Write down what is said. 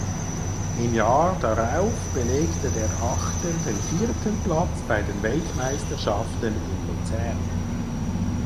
Im Jahr darauf belegte der Achter den vierten Platz bei den Weltmeisterschaften in Luzern.